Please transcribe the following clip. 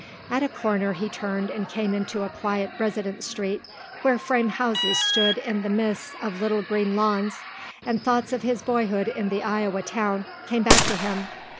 At a corner he turned and came into a quiet residence street where frame houses stood in the midst of little green lawns and thoughts of his boyhood in the Iowa town came back to him.